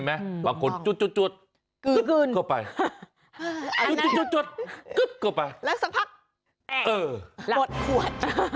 แอ้งหมดขวด